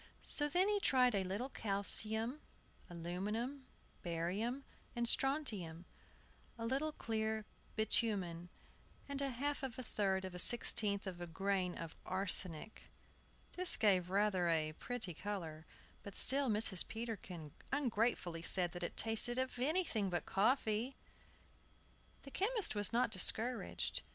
So then he tried a little calcium, aluminum, barium, and strontium, a little clear bitumen, and a half of a third of a sixteenth of a grain of arsenic. This gave rather a pretty color; but still Mrs. Peterkin ungratefully said it tasted of anything but coffee. The chemist was not discouraged.